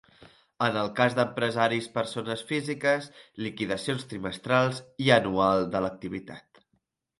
En el cas d'empresaris persones físiques, liquidacions trimestrals i anual de l'activitat.